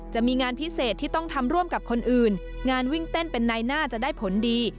จะมีงานพิเศษที่ต้องทำร่วมกับคนอื่นงานวิ่งเต้นเป็นในหน้าจะได้ผลดี